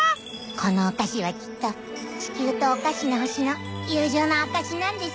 このお菓子はきっと地球とお菓子の星の友情の証しなんですよ。